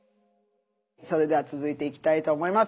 それでは続いていきたいと思います。